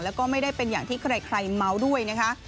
แล้วก็ไม่ได้เป็นอย่างที่ใครเมาส์ด้วยนะคะ